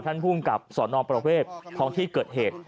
ท่านผู้งกับสอนออมประเภทของที่เกิดเหตุ